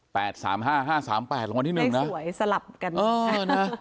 ห้าห้าสามแปดรางวัลที่หนึ่งนะสวยสลับกันเออนะ